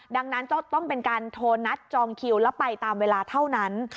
ดังนั้นต้องเป็นการโทรนัดจองคิวแล้วไปตามเวลาเท่านั้น